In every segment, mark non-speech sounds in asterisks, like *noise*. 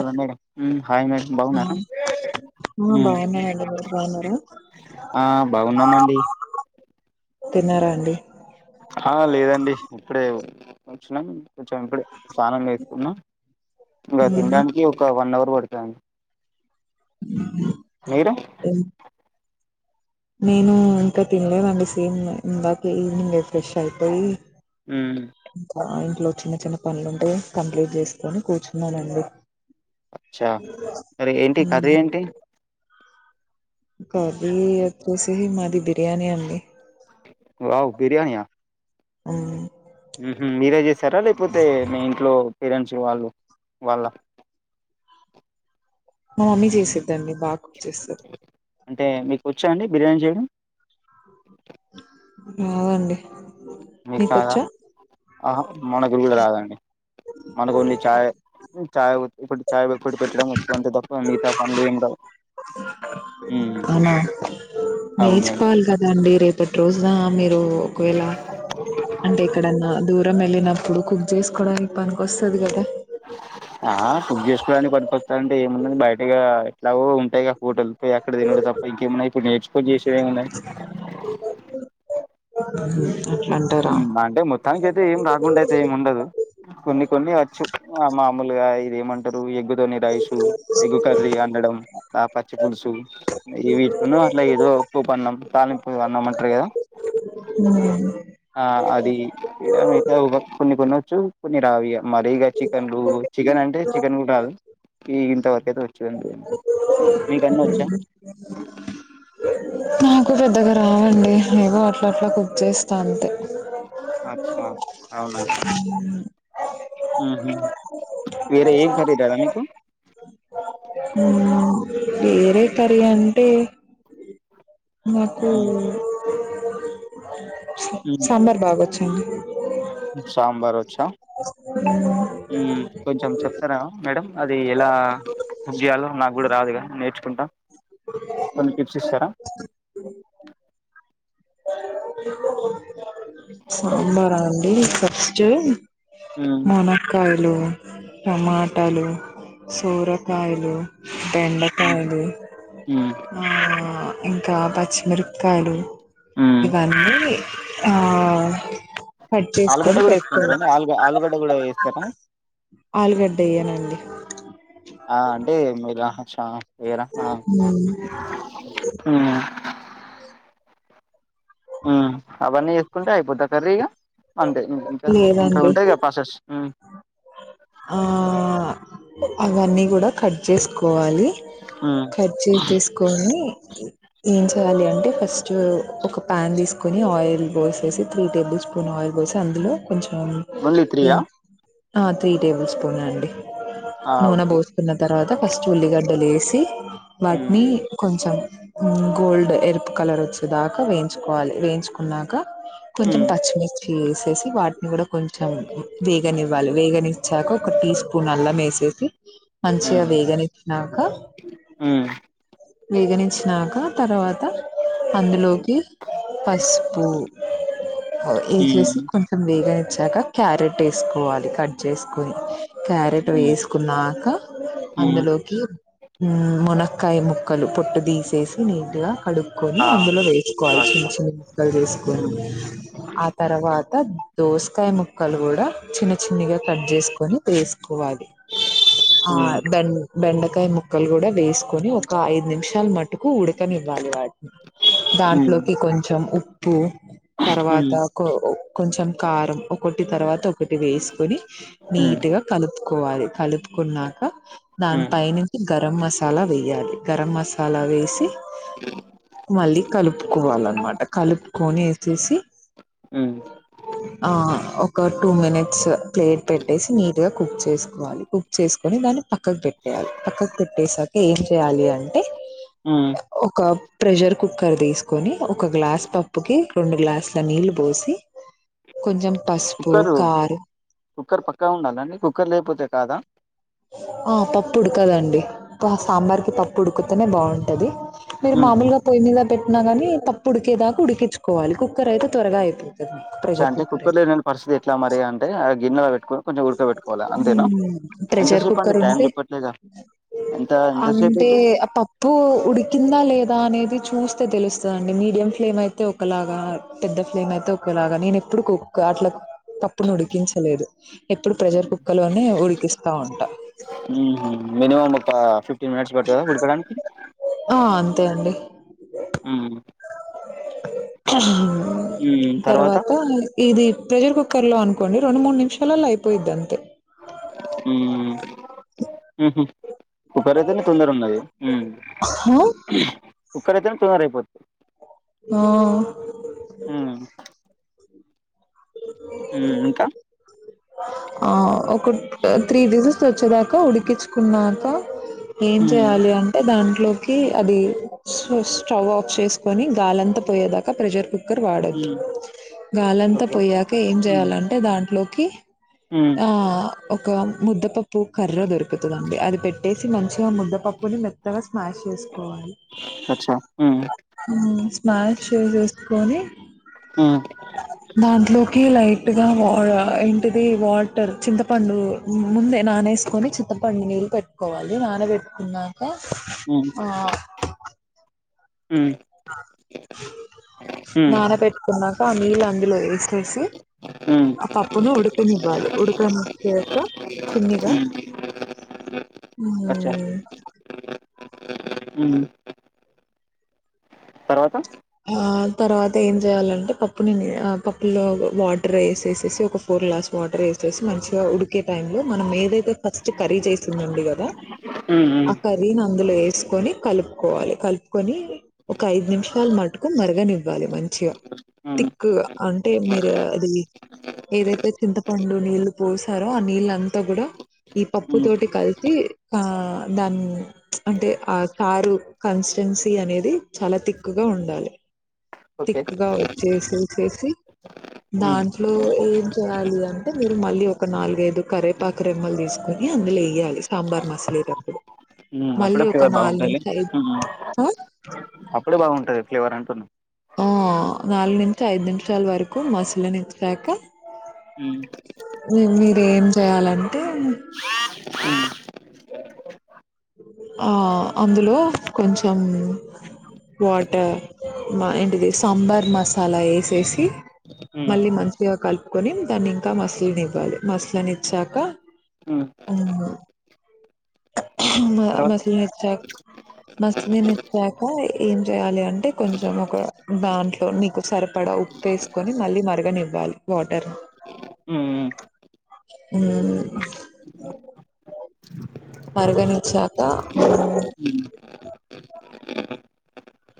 ఉమ్మ్ hi madam బాగున్నారా ఆ బాగున్నానండి మీరు బాగున్నారా ఆ బాగున్నామండి తిన్నారా అండి ఆ లేదండి ఇప్పుడే వచ్చిన వచ్చాను ఇప్పుడే స్నానం చేసుకున్నా ఇంక ఉమ్, తినడానికి ఒక వన్ అవర్ పడు *unintelligible* *unintelligible* నేను ఇంకా తినలేదండి సేమ్ ఇందాక ఈవినింగ్ ఫ్రెష్ అయిపోయి ఉమ్ కాన్ లో చిన్న చిన్న పనులుంటే కంప్లీట్ చేసుకొని కూర్చున్నానండి చా మరి ఏంటి కర్రీ ఏంటి అది ఎతసి మాది బిర్యానీ అండి వావ్ బిర్యానీ యా అం ఉమ్ హ్మ్ మీరు చేశా సరేలే పోతే మీ ఇంట్లో పేరెంట్స్ వాళ్ళు వాళ్ళ మా మమ్మీ చేసిదండి బాగా కుక్ చేస్తాది అంటే మీకు వచ్చా అండి బిర్యానీ చేయడం రావండి మీ కాదా ఆహా మన గురువులు కాదండి మనకు ఓన్లీ చాయ్ చాయ్ ఇప్పుడు చాయ్ *unintelligible* పెట్టడం వచ్చు అంతే తప్ప మిగతా పనులు ఏం రావు హ్మ్ అవునా అవును మేడం పెట్రోల్ *unintelligible* రూ ఒకవేళ అంటే ఇక్కడన్నా దూరం వెళ్లిన ఇప్పుడు కుక్ చేసుకోవడానికి పనికి వస్తాది కదా ఆ కుక్ చేసుకోవడానికి పనికొస్తుందంటే ఏముంది బయటగా దాహోమ్ పైగా హోటల్ *unintelligible* ఎప్పుడు తినడం తప్ప ఇంకేమున్నాయి ఇప్పుడు నేర్చుకో చేసి ఏమున్నాయి *unintelligible* ఉమ్ అంటే మొత్తానికి అయితే ఏం కాకుండా అయితే ఏమి ఉండదు కొన్ని కొన్ని వచ్చు ఆ మా మల్ల ఐ ఇది ఏమంటారు ఎగ్గు తోనే ధైష్ ఉమ్ ఎగుకర్రీ అండడం ఆ పచ్చి పులుసు ఈ వీటిను అట్ల ఏదో ఉప్పు పన్నాం తాలింపు అన్నం అంటారు కదా ఆ అది ఏమైతే కొన్ని కొన్ని వచ్చు కొన్ని రావి మరిీ ఇక చికెన్లు చికెన్ అంటే చికెన్ కూడ రాదు గీ ఇంతవరకయితే వచ్చుదండి *unintelligible* నాకు జెప్ అంతగ రావండి ఏవో అట్ల అట్ల కుక్ చేస్తా అంతే అచ్నా ఉమ్ ఊహు వేరె ఏం కర్రీ రాదా మీకు వేరే కర్రీ అంటే నాకూ మ్, మ్. సాంబర్ బాగోచ్చు అంతె అండి సాంబార్ వచ్చా మ్ కొంచెం చెప్తరా మేడం అది ఎలా బుక్ చేయాలో నాక్ కూడ రాదుగ నేర్చుకుంటాం కొన్ని టిప్స్ ఇస్తరా సాంబరా అండి సర్చ్ చేయ్ మ్, మోనక్కాయల్ హలో టమాటాలు సూరకాయలు మ్, బెండకాయలు మ్, ఆ ఇంక పచ్చిమిరపకాయలు మ్. ఇవన్నీ ఆ కట్ ఆలుగడ్డ చేసుకొని కూడా పెట్టుకోవాలి వేసుకుంటారండి ఆలుగ ఆలుగడ్డ కూడా వేస్తారా ఆలుగడ్డ ఎయ్యాలండి ఆ అంటే మీరు అనొచ్చ ఏరక్నా ఉమ్ ఉమ్ అవన్నీ చేసుకుంటే అయిపోతద కర్రీగా అంటేం ఇంకింకా లేదండి ఉంటాయి కదా పాసెస్ ఆ అవన్నీ కడా కట్ చేస్ కోవాలి మ్. కర్చీఫ్ తీసుకొని ఏం చేయాలి అంటే ఫస్ట్ ఒక ప్యాన్ తీసుకొని ఆయిల్ పోసేసి త్రీ టేబుల్ స్పూన్ ఆయిల్ పోసి అందులో కొంచం ఓన్లీ ఏం త్రీయా అద్ త్రీ టేబుల్ స్పూన్ అండి నూనె ఓకే పోసుకున్న తర్వాత ఫస్ట్ ఉల్లిగడ్డలు వేసి ది మ్, వాటిని కొంచెం గోల్డ్ ఎరుపు కలర్ వచ్చేదాకా వేయించుకోవాలి వేయించుకున్నాక కొంచెం మ్, పచ్చిమిర్చి వేసేసి వాటిని కూడా కొంచెం వేగనివ్వాలి వేగని చ్చాక ఒక టీ స్పూన్ అల్లం వేసేసి మంచిగా మ్, వేగనిచ్చినాక మ్. వేగనిచ్చినాక తర్వాత అందులోకి పసుపు ఆ వేసేసి కొంచెం వేగ చ్చాక క్యారెట్ వేసుకోవాలి కట్ చేసుకుని క్యారెట్ అట్లా వేసుకున్నాక అందులోకి మునక్కయ ముక్ ముక్కలు పొట్టు తీసేసి నీటీగా కడుక్కొని అందులో వేసుకోవాలి చిన్న చిన్న ముక్కలు వేసుకొని ఆ తర్వాత దోసకాయ ముక్కలు కూడా చిన్న చి చిన్నగా కట్ చేసుకొని వేసుకోవాలి ఆ బెన్ బెండకాయ ముక్కలు కూడా వేసు కొరియర్ ఒక ఐదు నిమిషాలు మా టుకు ఉడకనివ్వాలి వాటిని దాంట్లోకి కొంచెం ఉప్పు తరువాత కో కొంచెం కారం కొట్టి తరువాత ఒకటి వేసుకొని నీట్ గా కలుప్ కోవాలి కలుప్ కొన్నాక ధన్పైనుంచీ గరం మసా చాలా వెయ్యాలి గరం మసాలా వేసి మళ్ళీ కలుపుకోవాలన్నమాట కలుప్ కొని యేసేసి ఆ ఓ ఒక టూ మినిట్స్ ప్లేట్ పెట్టేసి నీట్ గా కుక్ చేసుకోవాలి కుక్ చేసుకొని దాన్ని పక్కకు పెట్టేయాలి పక్కకు పెట్టేసాక ఏం చెయ్యాలి అన్ ఉమ్ ప్రెషర్ కుక్కర్ తీసుకొని ఒక గ్లాస్ పప్పు కి రెండు గ్లాస్ల నీళ్లు పోసి కొంచం కుక్కరు కుక్కర్ పక్క ఉండాలనండి కుక్కర్ లేకపోత్త్ అంటే కాదా ఆ పప్పు ఉడకదండి అబ్బా సాంబార్ కి పప్పు ఉడుకుతేనే బాగుంటంది మీరు మామూలుగా పొయ్యి మీద పెట్టినా గాని పప్పు ఉడి ఉడికేదాకా ఉడికిచ్చుకోవాలి కుక్కర్ అయితే త్వరగా అయిపో ఛ అంటే కుక్కర్ లేని పరిస్థితి ఎట్లా మరి అంటే గిన్నెలో పెట్టుకొని కొంచెం ఉడకబెట్టుకోవాలి అంతేనా ఇమ్ ప్రెషర్ ఎంతసేపు అండి కుక్కర్ టైం ఉంటే చెప్పట్లేదా ఎంత ఎంతసేపు అంటే అయితే ఆ పప్పు ఉడికిందా లేదా అనేది చూస్తే తెలుస్తదండీ మీడియం ఫ్లేమ్ అయితే ఒకలాగా పెద్ద ఫ్లేమ్ అయితే ఒకలాగా నేను ఎప్పుడు కుక్ అట్లా పప్పును ఉడికించలేదు ఎప్పుడు ప్రెషర్ కుక్కర్లోనే ఉడికిస్తా ఉంటా హ్మ్ మినిమం ఒక ఫిఫ్టీన్ మినిట్స్ పడతాద ఉడకడానికి ఆ అంతే అండి ఇమ్ *unintelligible* హ్మ్ తరువాత తర్వాత ఇది ప్రెషర్ కుక్కర్లో అనుకోండి రెండు మూడు నిముషాలలో అయిపోయిది అంతే హ్మ్ కుక్కరాయ్యితేనే తొందర ఉన్నది ఆ కుక్కర్ అయితేనే తొందర అయ్యిపోది ఆ హ్మ్ ఇంకా ఆ ఒక త్రీ వేసిల్స్ వచ్చేదాకా ఉడికించుకున్నాక ఏం హ్మ్ చెయాలి అంటే దానికి లోకి అది స్టవ్ ఆఫ్ చేసుకొని గాలంతా పోయేదాకా ప్రెషర్ కుక్ కు వాడద్దు హ్మ్ గాలంతా ఓకే పోయక ఏం హ్మ్ చేయాలంటే దాంట్లో ఏ హ్మ్ ఆ ఒక ముద్ద పాప్ ప్పు కర్ర దొరుకుతుందండి అది పెట్టేసి మంచిగా ముద్దపప్పుని మెత్తగా స్మాష్ చేసుకోవాలి అచ్చా హ్మ్ స్మాష్ చేసేసుకొని హ్మ్ దాంట్లోకి లైట్ హ్మ్ ఆ ఇ హ్మ్ తది వాటర్ చింతపండు ముందే నానేసుకొని చింతపండుని పెట్టుకోవాలి నానబట్టుకున్నాక హ్మ్ ఆ హ్మ్ హ్మ్ నాన పెట్టుకున్నాక ఆ నీళ్ళు అందులో వేసి చేసి హ్మ్ అ పాపును ఉడుకనివ్వాలి ఉడుకని చిమ్న్గా హ్మ్ మ్ ఆ తర్వాత ఏం చేయాలంటే పప్పుని ఆ పప్పులో వాటర్ వేసేసేసి ఒక ఫోర్ గ్లాస్ వాటర్ వేసేసి మంచిగా ఉడికే టై లో మనం ఏదైతే ఫస్ట్ కర్రీ చేసిందండి కదా హ్మ్ ఆ హ్మ్ కర్రీని అందులో వేసి కోనీ కలుపుకోవాలి కలుపుకొని ఒక ఐదు నిమిషాలు మట్ మరగనివ్వాలి మంచిగా హ్మ్ థిక్ అంటే మీరు అది ఏదైతే చింత పండు నీళ్లు పోసారో ఆ నీళ్ళ అంతా కూడా ఈ పప్పు హ్మ్ తోటి కలిసి దాని అంటే ఆ కారు కన్సిస్టెన్సీ అనేది చాల థిక్గా ఉండాలి ఓకే తిక్గా వచ్చేససేసి హ్మ్ దాంట్లో ఏం చేయాలి అంటే మీరు మళ్ళీ ఒక నాలుగైదు కరేపాక రెమ్మలు తీసుకుొని అందులో వేయాలి సాంబార్ మసాలేటప్పుడు అప్పుడ ఫవ బాగుంటాల ఐదు ఆ అప్పుడు బాగుంటా ఫ్లేవర్ అంటుంది నాలుగు నుంచి ఐదు నిమిషాల వరకు మసాలానిచ్చాక మ్ మీర ఏం చేయాలంటే హ్మ్ ఆ అందులో కొంచెం వాటర్ ఏంటిది సాంబార్ మసాలా వేసేసి హ్మ్ మళ్ళీ మంచిగా కలుపుకొని దాన్ని ఇంకా మసలని ఇవ్వాలి మసలని ఇచ్చాక హ్మ్ మ తర్వాత మసలునిచ్చాక మసని న ఇచ్చాక ఏం చేయాలి అంటే కొంచెం ఒక దాంట్లో నీకు సరిపడా ఉప్పుేసుకొని మళ్ళీ మరగనివ్వాలి వాటర్ హ్మ్ హ్మ్ ని మార్గనిచ్చాక హ్మ్.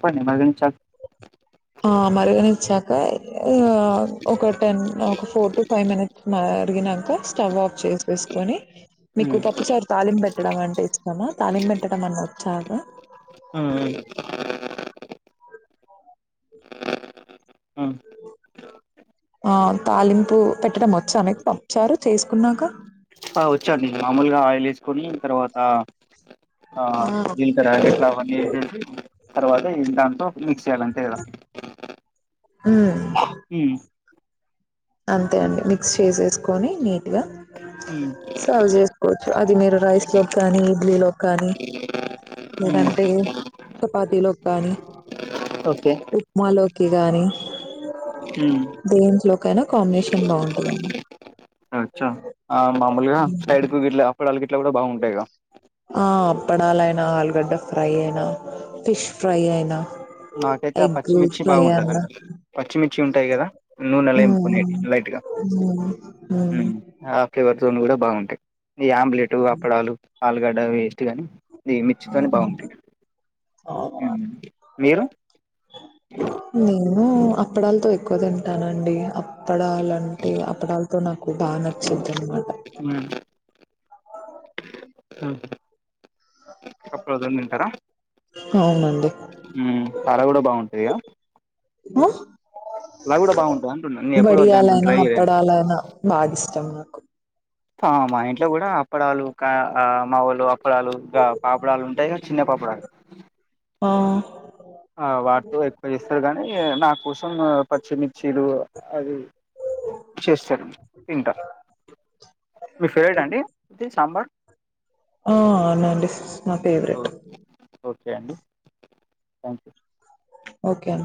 ప మగని చాలు ఆ మరిగని ఇచ్చాక ఒక టెన్ ఒక ఫోర్ టు ఫైవ్ మినిట్స్ మరిగినాక స్టవ్ ఆఫ్ చేసి వేసుకొని హ్మ్ మీకు పప్పుచారు తాాలిం పెట్టడం అంటే ఇస్తామా తళిం పెట్టడం అని వచ్చాక హ్మ్ హ్మ్ హ్మ్. ఆ తాలింపు పెట్టడం వచ్చామెకు పప్పుచారు చేసుకున్నాక హ వచుండి మమ్ములగా ఆయిల్ వేసాక కొలిిన తర్వాత హ ఆ జిలకర తర్వాత ఇ దాంట మిక్స్ చేల అంతేకదా మ్ మ్ అంతే అండి మిక్స్ చేసేసుకొని నీట్ గా హ్మ్ సవుజ కోవచ్చు అది మీరు రైస్ లో కానీ ఇడ్లీలో కానీ లేదంటేయ్ చపాతీలోక్ కాని. ఓకే ఉప్మాలోక్ కి గాని దేంట్లొ కైన కాంబ్నేషన్ బాగుంటదండి. అ చ అ మామూల్గ సైడ్ కు గిట్ల అప్పడాల్ గి ఇట్ల గుడ బాగుంటాయ్గ. పడాలైన ఆలుగడ్డ ఫ్రై ఐన ఫిష్ ఫ్రై ఐన. నాకైతె ఆ పచ్చిమిర్చి బాగుంటదండి పచ్చిమిర్చి ఉంటాయ్ గద నూనెలొ హ్మ్ ఎంపుకునేది లైట్గ హ్మ్ హ్మ్ ఉమ్ ఆ ఫ్లేవర్ తోను గుడ బాగుంటాయ్. ఈ ఆంబ్లేటు అప్పడాలు. ఆలుగడ్డ వేస్ట్ గాని ది మిచ్చితోనే బాగుంటాయ్ ఉమ్. మీరు. ని నేనూ అప్పడాల్తొ ఎక్కువ తింటానండి. అప్ పడాలంటె అప్పడాల్ తు నాకు బాగ్ నచ్చిద్దనమాట. ఉమ్. ఉమ్. ఆ కప్పు *unintelligible* దింటర. ఔనండి. ఉమ్ తార గుడ బాగుంటయ్య. అహ్. అంటున్నాను నేను ఎప్పుడు వద్దు అంటున్నా వడియాలైన ట్రై చేయండి అప్పడాలైన బాగిస్ చంగ కొ అ మా ఇంట్లొ గుడా అప్పడాలు క అ మావోలు పలాలు గ పాపడాలుంటాయ్గ చిన్న పాపడాలు. ఆ ఆ. ఆ వాట్తో ఎక్కువ జేస్తర్ గానీ నా కోసమ్ పచ్చిమిర్చీలు. అది చేస్తరు తింట. మీ ఫేవరెట అండి ఇది సాంబార్ ఆ ఆనండి నా ఓ పెవరెట్ ఓకే అండి థ్యాంక్ యూ ఓకే అం